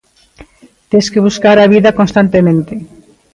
Tes que buscar a vida constantemente.